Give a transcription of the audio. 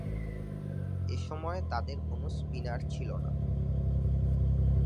এ সময়ে তাদের কোন স্পিনার ছিল না।